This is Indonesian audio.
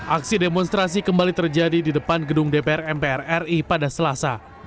aksi demonstrasi kembali terjadi di depan gedung dpr mpr ri pada selasa